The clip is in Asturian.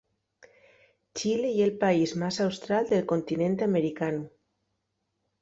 Chile ye'l país más austral del continente americanu.